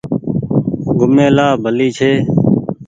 گھومي لآ ڀلي ڇي۔